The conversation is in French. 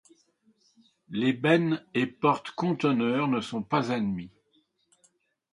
Les bennes et porte-conteneurs ne sont pas admis.